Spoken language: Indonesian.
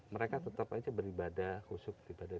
mereka tetap saja beribadah khusus beribadah